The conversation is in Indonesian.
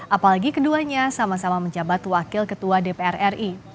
apalagi keduanya sama sama menjabat wakil ketua dpr ri